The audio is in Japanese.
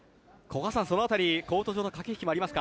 そのあたり、コート上の駆け引きもありますか？